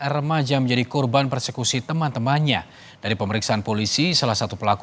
remaja menjadi korban persekusi teman temannya dari pemeriksaan polisi salah satu pelaku